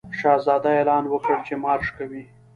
شهزاده اعلان وکړ چې مارش کوي.